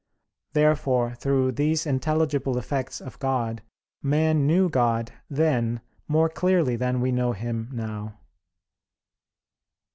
Therefore, through these intelligible effects of God, man knew God then more clearly than we know Him now.